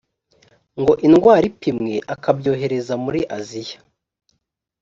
ngo indwara ipimwe akabyohereza muri aziya